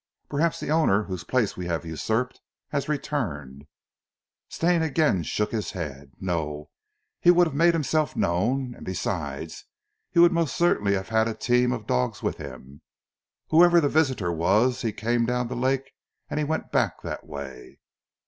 "Perhaps the owner whose palace we have usurped has returned." Stane again shook his head. "No! He would have made himself known, and besides he would most certainly have had a team of dogs with him. Whoever the visitor was he came down the lake and he went back that way."